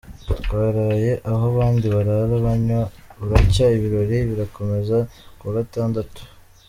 Twaraye aho abandi barara banywa, buracya ibirori birakomeza ku wa Gatandatu.